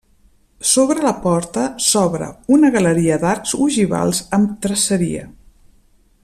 Sobre la porta s'obre una galeria d'arcs ogivals amb traceria.